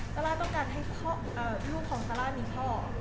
ซาร่าต้องการให้ลูกของซาร่ามีพ่อ